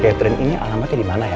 ke si catherine ini alamatnya dimana ya